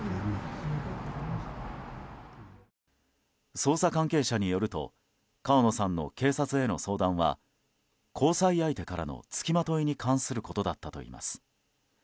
捜査関係者によると川野さんの警察への相談は交際相手からの付きまといに関することだったといいます。